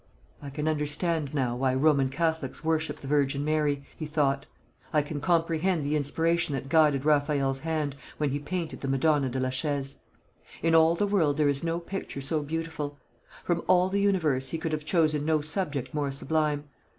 "I can understand now why Roman Catholics worship the Virgin Mary," he thought. "I can comprehend the inspiration that guided Raphael's hand when he painted the Madonna de la Chaise. In all the world there is no picture so beautiful. From all the universe he could have chosen no subject more sublime.